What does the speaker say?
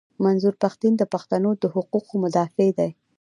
منظور پښتین د پښتنو د حقوقو مدافع دي.